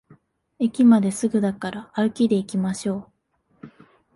駅まですぐだから歩きでいきましょう